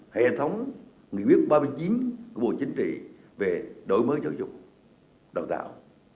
hệ thống người việt ba mươi chín của bộ chính trị về đổi mới giáo dục đoàn tạo